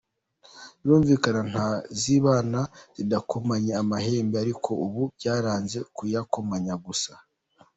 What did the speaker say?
Birumvikana nta zibana zidakomanya amahembe ariko ubu byarenze kuyakomanya gusa.